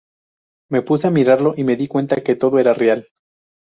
Me puse a mirarlo y me di cuenta que todo era real".